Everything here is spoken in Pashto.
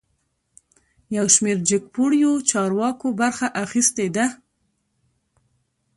یوشمیر جګپوړیو چارواکو برخه اخیستې ده